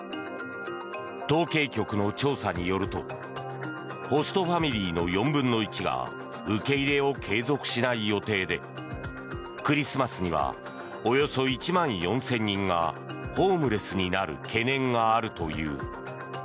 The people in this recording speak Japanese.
統計局の調査によるとホストファミリーの４分の１が受け入れを継続しない予定でクリスマスにはおよそ１万４０００人がホームレスになる懸念があるという。